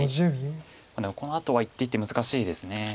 このあとは一手一手難しいです。